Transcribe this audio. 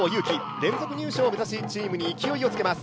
連続入賞を目指しチームに勢いをつけます。